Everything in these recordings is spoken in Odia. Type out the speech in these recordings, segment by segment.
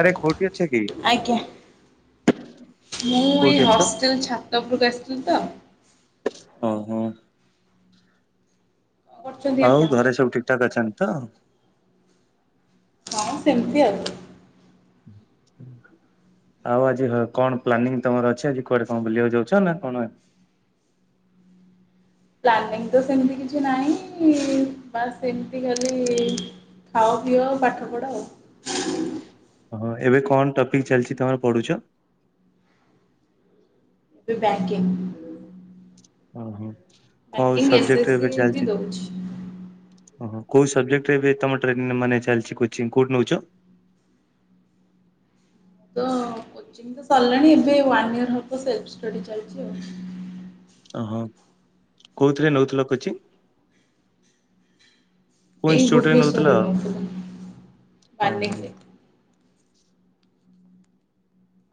ଆରେ ଗୋ ଆଜ୍ଞା। ମୁଁ ଏଇ କୋଉଠି ଅଛ? ହଷ୍ଟେଲ ଛାତ ଉପୁରକୁ ଆସିଥିଲି ତ। ଓ ହୋ। କରୁଛନ୍ତି ଆଉ ଆପଣ? ଘରେ ସବୁ ଠିକଠାକ ଅଛନ୍ତି ତ? ହଁ ସେମିତି ଆଉ। ହୁଁ। ଆଉ ଆଜି ହ କଣ ପ୍ଲାନିଂ ତମର ଅଛି ଆଜି କୁଆଡେ କଣ ବୁଲିବାକୁ ଯାଉଛ ନା କଣ ଆଜି ପ୍ଲାନିଂ ତ ସେମତି କିଛି ନାହିଁ ବାସ୍ ଏମତି ଖାଲି ଖାଅ ପିଅ ଆଉ ପାଠ ପଢ ଆଉ। ହଁ ଏବେ କଣ ଟପିକ ଚାଲଛି ତମର ପଢୁଛ? ଏବେ ବ୍ୟାଙ୍କିଙ୍ଗ୍। ଓହୋ କୋଉଁ ଏସ୍ ସବଜେକ୍ଟରେ ସି ଏବେ ବି ଚାଲଛି? ଦଉଛି। ଓହୋ କୋଉ ସବଜେକ୍ଟରେ ଏ ତମ ଟ୍ରେନ୍ ମାନେ ଚାଲଛି କୋଚିଂ କୋଉଠି ନଉଚ? ତ କୋଚିଙ୍ଗ ତ ସରିଲାଣି ଏବେ ୱାନ ୟିଅର ହବ ସେଲ୍ଫ ଷ୍ଟଡି ଚାଲଚି ଆଉ। ଓହୋ କୋଉଥିରେ ନଉଥିଲ କୋଚିଂ? କୋଉ ଏଇ ଇନଷ୍ଟିଚ୍ୟୁଟ ରେ ନଉଥିଲ? ଭୁବନେଶ୍ୱର ଓହୋ ନଉଥିଲି [unintelligible] ରେ।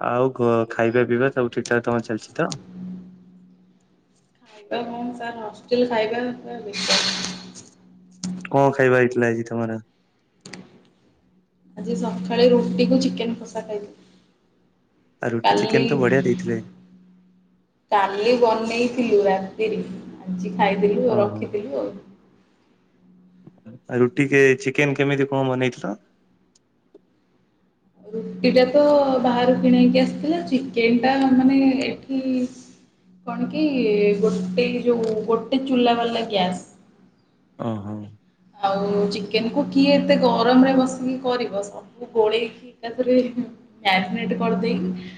ଆଉ ଖାଇବା ପିଇବା ସବୁ ଠିକଠାକ ତମର ଚାଲଛି ତ? ଖାଇବା କଣ ସାର୍ ହଷ୍ଟେଲ ଖାଇବା ପୁରା ବିଷ। କଣ ଖାଇବା ହେଇଥିଲା ଆଜି ତମର? ଆଜି ସଖାଳେ ରୁଟିକୁ ଚିକେନ କଷା ଆଉ ଖାଇଥିଲି। ରୁଟି କାଲି ଚିକେନ ତ ବଢିଆ ଦେଇଥିଲେ କାଲି ବନେଇ ଥିଲୁ ରାତିରେ ଆଜି ଖାଇଦେଲୁ ଆଉ ଓହୋ। ରଖିଥିଲୁ ଆଉ। ରୁଟି କେ ଚିକେନ କେମିତି କଁ ବନେଇଥିଲ? ରୁଟିଟା ତ ବାହାରୁ କିଣା ହେଇକି ଆସିଥିଲା, ଚିକେନ ଟା ମାନେ ଏଠି କଣ କି ଗୋଟେ ଯୋଉ ଗୋଟେ ଚୁଲା ବାଲା ଗ୍ୟାସ୍। ଅଁ ହଁ। ଆଉ ଚିକେନକୁ କିଏ ଏତେ ଗରମରେ ବସିକି କରିବ ସବୁ ଗୋଳେଇକି ଏକାଥରେ ମ୍ୟାଗନେଟ କର ଦେଇକି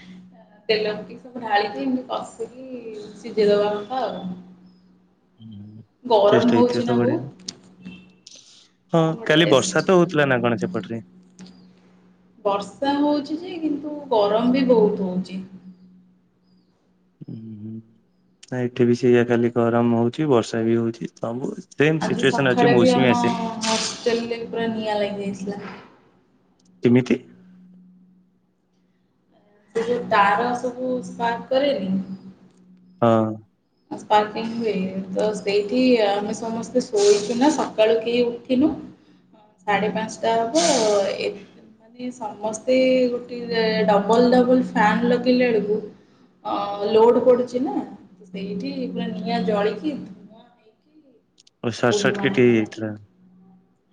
ତେଲ ସବୁ ଢାଳିକି ଏମତି କଷିକି ସିଝେଇ ଦବା କଥା ଆଉ। ଗରମ ଟେଷ୍ଟ ହଉଛି ହେଇଥିବ ନା ତ ବଢିଆ। ବହୁତ ହଁ ବଢ଼ିଆ କାଲି ଟେଷ୍ଟ। ବର୍ଷା ତ ହଉଥିଲା ନା କଣ ସେପଟରେ? ବର୍ଷା ହଉଚି ଯେ କିନ୍ତୁ ଗରମ ବି ବହୁତ ହଉଚି। ଉ ହୁଁ ହୁଁ ଏଠି ବି ସେଇଆ ଖାଲି ଗରମ ହଉଚି ବର୍ଷା ବି ହଉଚି ସବୁ ସେମ ଆଜି ସିଚୁଏସନ ଅଛି ସଖାଳେ ବି ମୌସୁମୀ ଆମ ଆସିନି। ହଷ୍ଟେଲରେ ପୁର ନିଆଁ ଲାଗିଯାଇଥିଲା। କିମିତି? ସେ ଯୋଉ ତାର ସବୁ ସ୍ପାର୍କ କରେନି ହଁ। ସ୍ପାରକିଙ୍ଗ ହୁଏ ତ ସେଇଠି ଆମେ ସମସ୍ତେ ଶୋଇଚୁ ନା ସକାଳୁ କେହି ଉଠିନୁ ହଁ ସାଢେ ପାଞ୍ଚଟା ହବ ଆ ଏ ମାନେ ସମସ୍ତେ ଗୋଟେ ଡବଲ ଡବଲ ଫାନ ଲଗେଇଲେ ବେଳକୁ ଅ ଲୋଡ ପଡୁଚି ନା ସେଇଠି ପା ନିଆଁ ଜଳିକି ଧୂଆଁ ହେଇକି ଓ ସଠ ବହୁତ ସଠ ଧୂଆଁ କିଟ ହେଇଥିଲା। ହେଇଯାଇଥିଲା।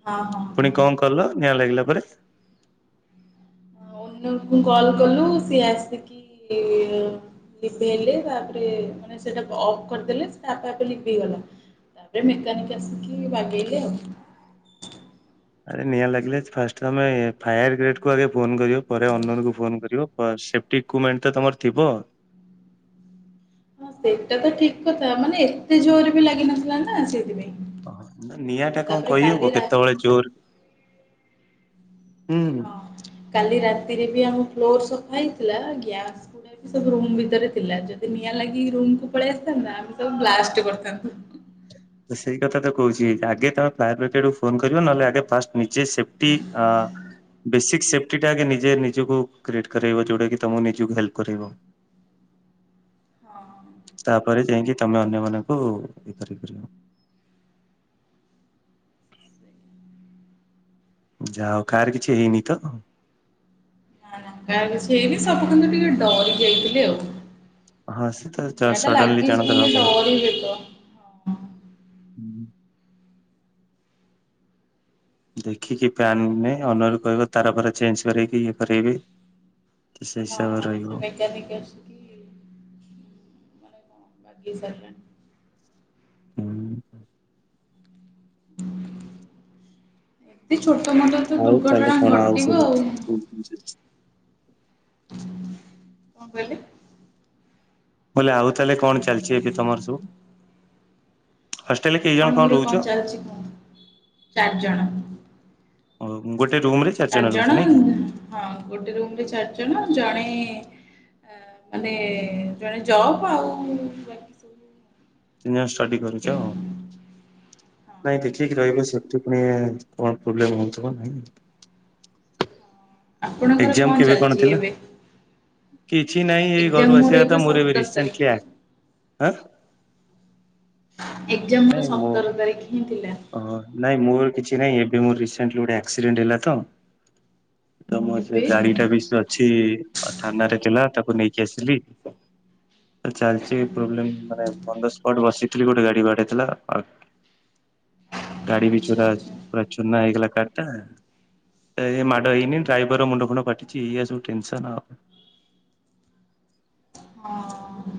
ହଁ ହଁ ପୁଣି କଣ କଲ ନିଆଁ ଲାଗିଲା ପରେ ଓନରଙ୍କୁ କଲ କଲୁ ସିଏ ଆସ କିି ଲି ହେଲେ ତାପରେ ମାନେ ସେଟା ଅଫ୍ କରିଦେଲେ ସେଟା ଆପେ ଆପେ ଲି ହେଇଗଲା। ତାପରେ ମେକାନିକ ଆସିକି ବାଗେଇଲେ ଆଉ। ଆରେ ନିଆଁ ଲାଗିଲେ ଫାଷ୍ଟ ତମେ ଫାୟାର ଗ୍ରେଟ୍ କୁ ଆଗେ ଫୋନ କର ପରେ ଓନକୁ ଫୋନ କରିବ। ସେଫ୍ଟି ଇପମେଣ୍ଟ ତ ତମର ଥିବ। ହଁ ସେଇଟା ତ ଠିକ କଥା ମାନେ ଏତେ ଜୋର ବି ଲାଗିିନଥିଲା ନା ସେଇଥିପାଇଁ ଓହୋ ନିଆଁଟା କଣ ତାପରେ କହିବୁ କାଲି ରା କେତେବେଳେ ଜୋର ହୁଁ। ହଁ କାଲି ରାତିରେ ବି ଆମ ଫ୍ଲୋର ସଫା ହେଇଥିଲା ଗ୍ୟା ସବୁ ରୁମ ଭିତରେ ଥିଲା ଯଦି ନିଆଁ ଲାଗି ରୁମକୁୁ ପଳେଇ ଆସିଥାନ୍ତା ଆମେ ସବୁ ବ୍ଲାଷ୍ଟ କରିଥାନ୍ତୁ। ହ ତ ସେଇ କଥା ତ କହୁଛି ଆଗେ ତମେ ଫାୟାର ବ୍ରିଗେଡୁ ଫୋନ କରିବ ନହେଲେ ଆଗେ ଫାଷ୍ଟ ନିଜେ ସେଫ୍ଟି ଆଁ ବେସିକ୍ ସେଫ୍ଟିଟା ଆେ ନିଜେ ନିଜକୁ କ୍ରିଏଟ୍ କରାଇବ ଯେଉଁଟାକି ତମକୁ ନିଜକୁ ହେଲ୍ପ କରେଇବ। ହଁ। ତାପରେ ଯାଇକି ତମେ ଅନ୍ୟ ମାନଙ୍କୁ ଇଏ କରିବ। ଯାହା ହୋଉ କାହାର କିଛି ହେଇନି ତ? ନା କାହାର କିଛି ହେଇନି ସବୁ କିନ୍ତୁ ଟିକେ ଡରି ଯାଇଥିଲେ ଆଉ। ହଁ ସେ ତ ନିଆଁ ଟା ସଡନଲି ଲାଗିଚି ଜଣଙ୍କର ହବ। ମାନେ ଡରି ଯେତ ହୁଁ। ଦେଖିକି ପ୍ୟନ ଓନରଙ୍କୁ କହିବ ତାର ପରେ ଚେଞ୍ଜ କରାଇକି ଇଏ କରେଇବେ। ସେ ହିସାବରେ ହଁ ରହିବ ସେ ମେକାନିକ୍ ଅଛନ୍ତି। ବାଗେଇ ସାରିଲେଣି। ହୁଁ। [inaudible] ଏମତି ଛୋଟ ମୋଟ ତ ଆଉ ତାହେଲେ ଦୁର୍ଘଟଣା କଣ ଘଟିବ ଆଉ। ହୁଁ। କଣ କହିଲି? ମୁଁ କହିଲି ଆଉ ତାହେଲେ କଣ ଚାଲିଚି ଏବେ ତମର ସବୁ ହଷ୍ଟେଲରେ କେଇ ଜଣ ଆପଣଙ୍କର ରହୁଛ? କଣ ଚାଲିଚି କୁହନ୍ତୁ? ଚାରିଜଣ ଓ ଗୋଟେ ରୁମ ରେ ଚାରି ରହୁଛ ଜଣ ନାଇଁ କି ହଁ ଗୋଟେ ରୁମ ରେ ଚାରି ଜଣ ଜଣେ ଆ ମାନେ ଜଣେ ଜବ ଆଉ ବାକି ସବୁ ତିନିଜଣ ଷ୍ଟଡି ଜବ୍ କରୁଚ କେହି ଆଉ ହଁ। ନାଇଁ ଦେଖିକି ରହିବେ ସେପ୍ଟି ଫୁଣି କଣ ପ୍ରୋବ୍ଲେ ହୋଉଥିବ ନାଇଁ। ଆପଣଙ୍କର ଏକ୍ଜାମ କେବେ କଣ ଚାଲିଛି ଥିଲା? ଏବେ? କିଛି ନହିଁ ଏଇ ଏକ୍ଜାମ ଘରୁ ଆସିବା କଥା ମୋର ଏବେ ସତର ତାରିଖ। ରିସେଣ୍ଟଲି ଏକ୍ଜାମ ମୋର ନାଇଁ ମୁଁ ସତର ତାରିଖ ହିଁ ଥିଲା। ଅ ନାଇଁ ମୋର କିଛି ନାଇଁ। ମୋର ରିସେଣ୍ଟ ଗୋଟେ ଆକ୍ସିଡେଣ୍ଟ ହେଲା ତ ତମର ସେ କେବେ ଗାଡି ଟା ବି ସେ ଅଛି ଥାନରେ ଥିଲା ତାକୁ ନେଇକି ଆସିଲି ଚାଲିଚି ଆଜ୍ଞା ପ୍ରୋବ୍ଲେ ମାନେ ବ ସ୍ପଟ ବସିଥିଲି ଗୋଟେ ଗାଡି ବାଡେଇଦେଲା ଆ ଗାଡି ବି ଆଚ୍ଛା ଚୁର ଆଚ୍ଛା ପୁର ଚୁନା ହେଇଗଲା କାର ଟା ଏ ମାଡ ହେଇନି ଡ୍ରାଇଭରର ମୁଣ୍ଡ ଫୁଣ୍ଡ ଫାଟିଚି ଏଇଆ ସବୁ ଟେନସ ହଁ।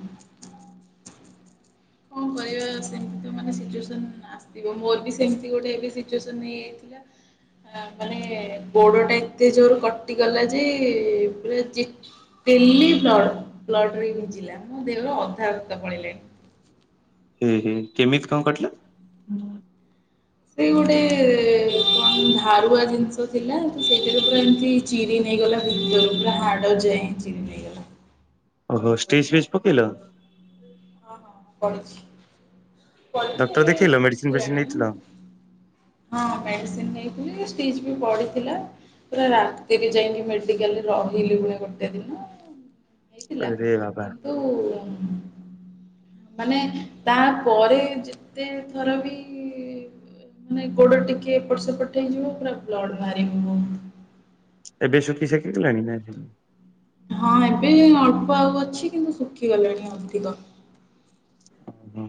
ସିଚିଏସନ ଅଶିଥିବ ମୋର ବି ସେମିତି ଗୋଟେ ଏବେ ସିଚେଶନ ହେଇଯାଇଥିଲା। ଆ ମାନେ ଗୋଡ ଟା ଏତେ ଜୋର କଟିଗଲା ଯେ ପୁରା କିଲେ ବ୍ଲଡ ବ୍ଲଡ ରେଭିଜିଲା ମୋ ଦେହର ଅଧା ରକ୍ତ ପଳିଲାଣି। ଏ ହେ କେମିତି କଣ କିତିଲା? ସେ ଗୋଟେ କଣ ଧାରୁଆ ଜିନିଷ ଥିଲା ତ ସେଇଟାରେ ପୁରା ଏମିତି ଚିରି ନେଇଗଲା ଭତକୁ ପୂରା ହାଡ ଯାଏ ଚିରି ନେଇଗଲା। ଓହୋ ଷ୍ଟିଜ ଫିଚ ପକେଇଲ। ପଡିଛି। Doctor A ଦେଖେଇଲ medicine ଫେଡିସିନ ନେଇଥିଲ? ଶୁଖିଲାନି ହଁ ମେଡିସିନ ନେଇ ଷ୍ଟିଯି ବିପଡିଥିଲା। ପୁରା ରାତିରେ ଯାଇନି ମେଡିକାଲ ରହିଲି ପୁଣି ଗୋଟେ ଦିନ। ହେଇଥିଲା ଆରେ ବାବା କିନ୍ତୁ? ମାନେ ତାପରେ ଯେତେ ଥର ବି ମାନେ ଗୋଡ ଟିକେ ଏପଟ ସେପଟ ହେଇଯିବ ପୁରା୍ ବ୍ଲଡ ବାହାରିବ ହୁତୁ। ସୁଖୀ ସଖୀ ଗଲାଣି ନାଇତ। ହଁ ଏବେ ଅଳ୍ପ ଆଉ ଅଛି କିନ୍ତୁ ଶୁଖିଗଲାଣି ଅଧିକ। ଓହୋ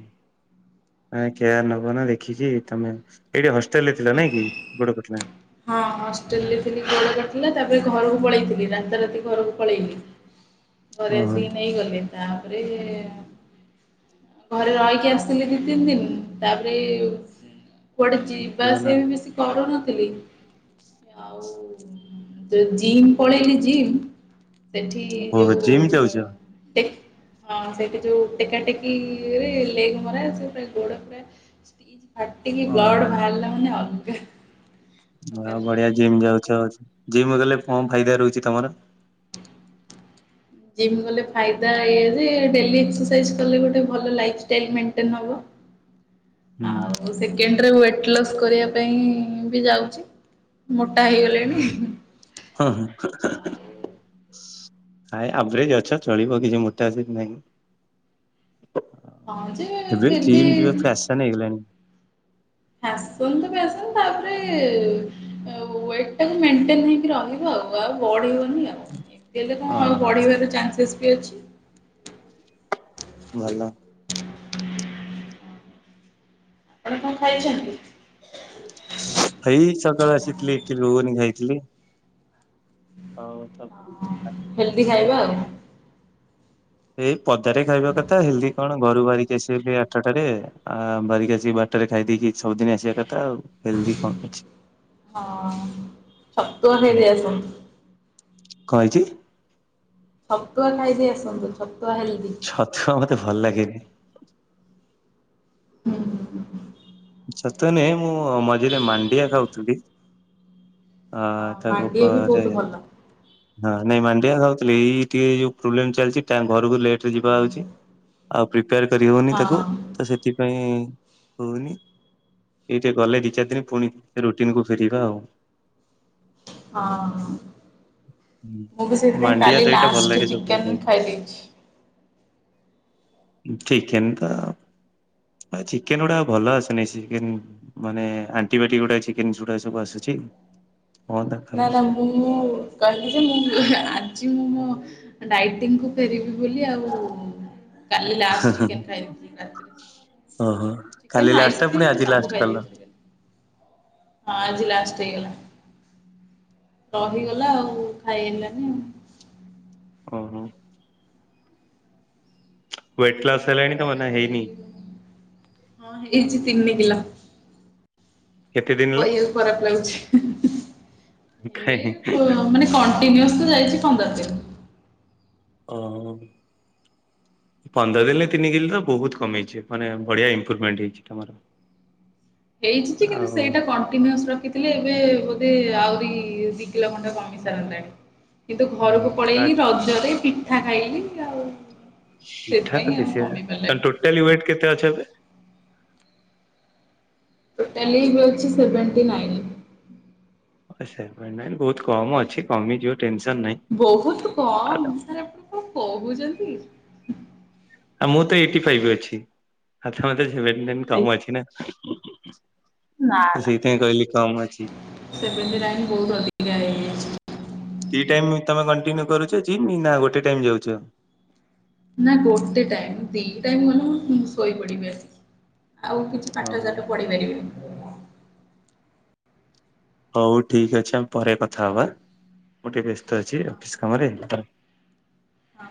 କେୟାର ନବ ନା ଦେଖିଛି ତମେ ଏଇଠି ଥିଲା ନାଇଁ କି ଗୋଡକଟିଲା। ହଁ ହଷ୍ଟେଲରେ ଥିଲି ଗୋଡ କଟିଥିଲା ତାପରେ ଘରକୁ ପଳେଇଥିଲି ରାତାରାତି ଘରକୁ ପଳେଇଲି। ଘରେ ଓହୋ। ଆସି ନେଇଗଲେ ତାପରେ ଘରେ ରହିକି ଆସିଥିଲି ଦି ତିନି ଦିନ ତାପରେ କୁଆଡେ ଯିବା ଦେଖିବ ନା ଆସିବା ବି ବେଶୀ କରୁନଥିଲି ଆଉ। ତ ଜିମ୍ ପଳେଇନି ଜିମ୍। ସେଠି ଓହୋ ଯୋଉ ଜିମ୍ ଯାଉଛ? ହଁ ସେଇଠି ଯୋଉ ଟେକାଟେକିରେ ଲେଗ ମରା ସେ ଗୋଡ ପୁରା କାଟିକି ବ୍ଲଡ ଓହୋ ବାହାରିଲା ମାନେ ଅଲଗା। ହ ପ୍ରକାର। ବଢିଆ ଜିମ୍ ଯାଉଛ ଜିମ୍ ଗଲେ କଣ ଫାଇଦା ରହୁଛି ତମର? ଜମ୍ ଗଲେ ଫାଇଦା ଏଆଯେ ଡେଲି ଏସ୍ରରସାଏଜ୍ କଲେ ଭଲ ଲାଇଫଟାଇଲିମେଟେନ୍ ହେବ। ହୁଁ ଆଉ ସେକେଣ୍ଡରେ ୟୋଟ ଲସ୍ କରିବା ପାଇଁ ବି ଯାଉଛି ମୋ ହୁଁ ହୁଁ। ଆଉ ଆ ଆଭରେଜ ଅଛ ଚଳିବ କିଛି ମୋଟା ସେମିତି ନହିଁ। ହଁ ଯେ ଏବେ ଫିର୍ ଜିମ୍ ଯିବା ଫ୍ୟାସନ ହେଇଗଲାଣି। ଫ୍ୟାସନ ତ ତାପରେ ୱଟ ମେଟେନ ହେଇକି ରହିବ ଆଉ ବଢୀ ବନି। ଏମି ହଁ ତିଆଉ ଚାନ୍ସେ ବିଅଚି। ଭଲ। ହଁ ହଁ। ଆପଣେ କଣ ଖାଇଛନ୍ତି? ହେଇ ସକାଳ ଆଛିଥିଲି ଏଠି ଭତିଳିଗୁ ଗୁନି ଖାଇଥିଲି ଆଉ। ହେଲ୍ଦି ଖାଇବା ଆଉ। ହଁ। ଏଇ ପଦାରେ ଖାଇବା କଥା ହେି କଣ ଘରୁ ବାହାରିକି ଆସିବା ଆଠାଟାରେ ଆ ବାହାରିକି ଆସିକି ବାରଟାରେ ଖାଇ ଦେଇେଇକି ସବୁଦିନ ଆସିବା କଥା ଆଉ। ହେଲଦି କମ୍ ଅଛି। ହଁ ଚତୁଆ ଖାଇକି ଯାଇଥିଲ। କହେଇଁଚି? ଛତୁଆ ଖାଇଯାଇ ଆସନ୍ତୁ ଛକ ଛଟୁଆ ମତେ ଭଲ ଲାଗନି। ହୁଁ। ଛତୁଆ ନୁହଁ ମୁଁ ମଝିରେ ମାଣ୍ଡିଆ ଖାଉଥିଲି। ହଁ ତା ମାଣ୍ଡିଆ ବି ଉପରେ ବହୁତ ଭଲ ହଁ ନାଇଁ ମାଣ୍ଡିଆ ଦଉ ଚୋଲି ଏଇ ଟିକେ ଏଇ ଯୋଉ ପ୍ରୋବ୍ଲେମ ଚାଲଚି ଟାଇମ୍ ଘରକୁ ଲେଟରେ ଯିବା ହୋଉଚି ଆଉ ପ୍ରି ପ୍ରିପାର କରିହୋଉନି ତାକୁ ହଁ ତ ସେଥିପାଇଁ ରହୁନି। ଏଇଟେ ଗଲେ ଦି ଚାରି ଦିନ ପୁଣି ରୋଟିନକୁୁ ଫେରିବା ଆଉ। ହଁ। ମୁଁ ବି ସେଇଥିପାଇଁ ମାଣ୍ଡିଆ କାଲି ଦହିଟା ଭଲ ଲାଷ୍ଟ ଚିକେନ ଖାଇଦେଇଚି। ଉଁ ଚିକେନ ତ ଆଉ ଏ ଚିକେନଗୁଡା ଆଉ ଭଲ ଅସୁନେଇ ସ୍ ଚିକେନ୍ ମାନେ ଆଣ୍ଟିବାୟୋଟିକ ଗୁଟାଏ ଚିକେନଗୁଡା ସବୁ ଆସୁଚି। ନା ନା ମୁ-ମୁଁ କହିଲି ଯେ ମୁଁ ଆଜି ମୁଁ ମୋ ଡାଇଟିଙ୍ଗକୁ ଫେରିବି ବୋଲି ଆଉ କାଲି ଲାଷ୍ଟ ଚିକେନ ଖାଇଦେଇଥିଲି ରାତିରେ। ଓହୋ କାଲି ଚିକେନ ଲାଷ୍ଟ ଟା ପୁଣି ଆଇସକ୍ରିମ୍ ଆଜି ସବୁ ଲାଷ୍ଟ କଲ। ଖାଇଦେଇଥିଲି କାଲି ହଁ ଆଜି ଲାଷ୍ଟ୍। ହେଇଗଲା ରହିଗଲା ଆଉ ଖାଇ ହେଲାନି ଆଉ। ଓହୋ। ୱେଟ ଲସ୍ ହେଲାଣି ତମର ନା ହେଇନି ହେଇଚି ତିନି କିଲ। କେତେ ଦିନ ହେଲା? କହିବାକୁ ଖରାପ ଲାଗୁଛି। ଏଇ କାଇଁ କଣ ମାନେ କଣ୍ଟିନିଅସଲି ଯାଇଚି ପନ୍ଦର ଦିନ। ଓଃ ପନ୍ଦର ଦିନରେ ତିନି କିଲର ବୋହୁତ କମିଚି ମାନେ ବଢିଆ ଇମ୍ପ୍ରୁଭମେଣ୍ଟ ହେଇଚି ତମର। ହେଇଛି ଯେ କିନ୍ତୁ ଆଉ ସେଇଟା କଣ୍ଟିନିଅସ୍ ରଖିଥିଲେ ଏବେ ବୋଧେ ଆଉ ଦି-ଦିକିଲ ଖଣ୍ଡେ କମି ସାରନ୍ତାଣି କିନ୍ତୁ ହୁଁ, ଘରକୁ ଆ ପଳେଇଲି ରଜରେ ପିଠା ଖାଇଲି ଆଉ ଠିକ୍ ଠାକ୍ ନା ସେଥିପାଇଁ ଆଉ ବେଶୀ ହେବେ କମି ପାରିଲାନି ତାହେଲେ ଟୋଟାଲି ୱେଟ କେତେ ଅଛ ଏବେ? ଟୋଟାଲି ହୋଉଚି ସେଭେଣ୍ଟି ନାଇନ୍। ଓ ସେଭେଣ୍ଟି ନାଇନ୍ ବୋହୁତ କମ ଅଛି କମିଯିବ ଟେନସନ ନାହିଁ। ବୋହୁତୁ କମ୍ ଆଉ ସାର୍ ଆପଣ କଣ କହୁଚନ୍ତି? ଆଉ ମୁଁ ତ ଏଇଟି ଫାଇପ୍ ଅଛି ଆଛା ମତେ [unintelligible] କମ ଆଜ୍ଞା ଅଛି ନା। ନା ତ ନା ସେଇଥିପାଇଁ କହିଲି କମ ଅଛି। ସେଭେଣ୍ଟି ନାଇନ୍ ବୋହୁତ ଅଧିକା ହେଇଯାଇଚି। ଦି ଟାଇମ ତମେ କଣ୍ଟିନ୍ୟୁ କରୁଚ ଜିମ୍ ନା ଗୋଟେ ଟାଇମ୍ ଯାଉଚ? ନା ଗୋଟେ ଟାଇମ୍ ଦି ଟାଇମ୍ ଗଲେ ମୁଁ ଶୋଇପଡିବି ଆସିକି। ଆଉ କିଛି ପାଠ ଓହୋ ସାଠ ପଢି ପାରିବିନି। ହୋଉ ଠିକଅଛି ଆମେ ପରେ କଥା ହବା। ମୁଁ ଟିକେ ବ୍ୟସ୍ତ ଅଛି ଅଫିସ୍ ହଁ କାମରେ ତ ହଁ।